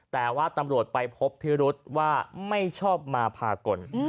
แต่ว่าตำรวจไปพบพิรุษว่าไม่ชอบมาพากล